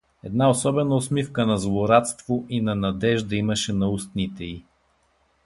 Една особена усмивка на злорадство и на надежда имаше на устните и.